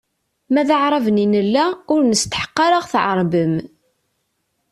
Ma d Aɛraben i nella, ur nesteḥq ad aɣ-tɛerbem.